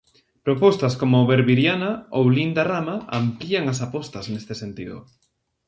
Propostas como Berbiriana ou Linda Rama amplían as apostas neste sentido.